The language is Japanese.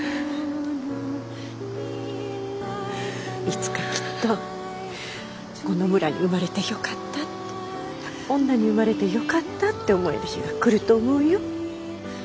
いつかきっとこの村に生まれてよかったって女に生まれてよかったって思える日が来ると思うよ。